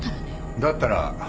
だったら。